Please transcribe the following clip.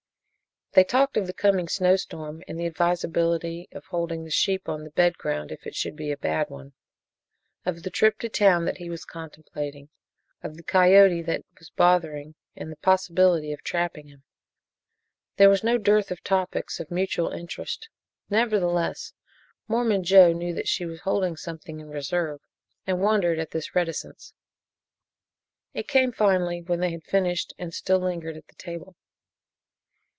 They talked of the coming snowstorm, and the advisability of holding the sheep on the bed ground if it should be a bad one; of the trip to town that he was contemplating; of the coyote that was bothering and the possibility of trapping him. There was no dearth of topics of mutual interest. Nevertheless, Mormon Joe knew that she was holding something in reserve and wondered at this reticence. It came finally when they had finished and still lingered at the table.